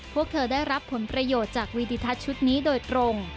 พวกเธอได้รับผลประโยชน์จากวีดิทัศน์ชุดนี้โดยตรง